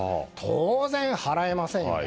当然、払えませんよね。